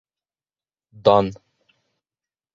— Дан!